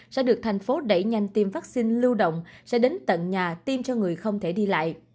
sẽ được thành phố đẩy nhanh tiêm vaccine lưu động sẽ đến tận nhà tiêm cho người không thể đi lại